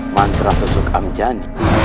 mantra susuk amjan